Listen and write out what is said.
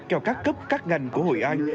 cho các cấp các ngành của hội an